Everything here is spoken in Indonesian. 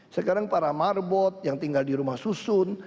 sekarang para marbot yang tinggal di rumah susun